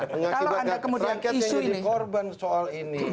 mengakibatkan rangkaian yang jadi korban soal ini